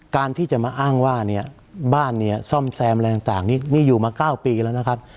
การที่จะมาอ้างว่าเนี่ยบ้านเนี่ยซ่อมแซมอะไรต่างนี่อยู่มา๙ปีแล้วนะครับ